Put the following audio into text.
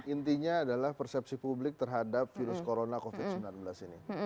intinya adalah persepsi publik terhadap virus corona covid sembilan belas ini